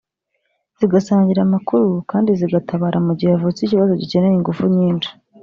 zigasangira amakuru kandizigatabara mu gihe havutse ikibazo gikeneye ingufu nyinshi